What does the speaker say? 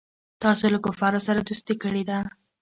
تاسو له کفارو سره دوستي کړې ده.